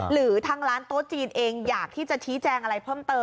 หรือทางร้านโต๊ะจีนเองอยากที่จะชี้แจงอะไรเพิ่มเติม